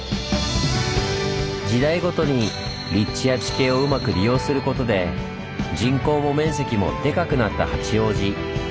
時代ごとに立地や地形をうまく利用することで人口も面積もデカくなった八王子。